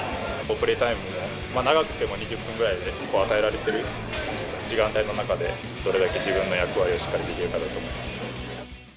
プレータイムも長くても２０分ぐらいで、与えられている時間帯の中で、どれだけ自分の役割をしっかりできるかだと思います。